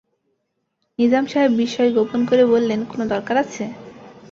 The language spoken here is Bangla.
নিজাম সাহেব বিস্ময় গোপন করে বললেন, কোনো দরকার আছে?